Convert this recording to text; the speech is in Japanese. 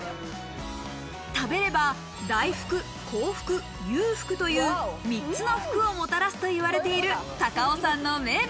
食べれば大福、幸福、裕福という、三つの福をもたらすと言われている高尾山の名物。